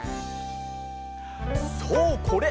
そうこれ！